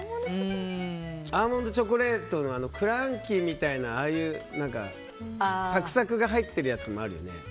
アーモンドチョコレートのクランキーみたいなああいうサクサクが入ってるやつもあるよね。